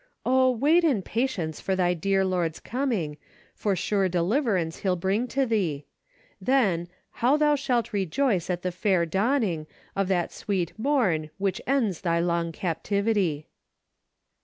Oh, wait in patience for thy dear Lord's coming. For sure deliverance he'll bring to thee ; Then, how thou shalt rejoice at the fair dawning Of that sweet morn which ends thy long captivity.